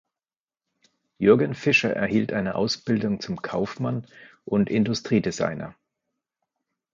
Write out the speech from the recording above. Jürgen Fischer erhielt eine Ausbildung zum Kaufmann und Industriedesigner.